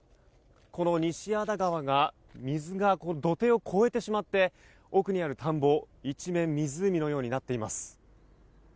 この西谷田川水が土手を越えてしまって奥にある田んぼ一面、湖のようになっています。